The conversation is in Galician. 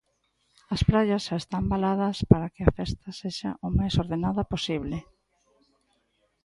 As praias xa están valadas para que a festa sexa o máis ordenada posible.